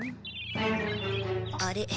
あれ？